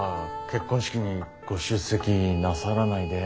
結婚式にご出席なさらないで。